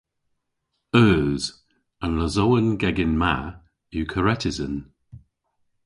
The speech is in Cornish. Eus. An losowen-gegin ma yw karetysen.